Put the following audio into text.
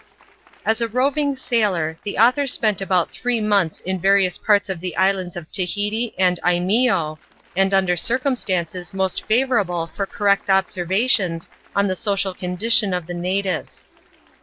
As a roving sailor, the author spent a\>o\it VJte^i^ tdl^ot^Sda va. ran'oas parts of the islands of Tahiti and ltttfeeo> wA \wA«c A 4 PREFACE. circumstances most favourable for correct observations on the social condition of the natives.